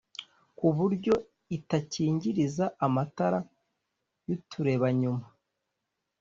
kuburyo itakingiriza amatara y' uturebanyuma